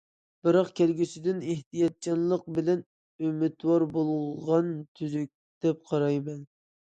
بىراق، كەلگۈسىدىن ئېھتىياتچانلىق بىلەن ئۈمىدۋار بولغان تۈزۈك، دەپ قارايمەن.